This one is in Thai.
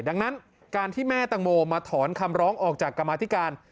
ดังนั้นการที่แม่ตังโมมาถอนคำร้องออกจากกรรมาธิการ